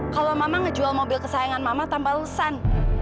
kalau mama ngejual mobil kesayangan mama tambah lesan